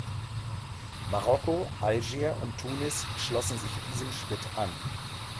Marokko, Algier und Tunis schlossen sich diesem Schritt an.